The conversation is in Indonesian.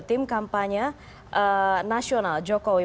tim kampanye nasional jokowi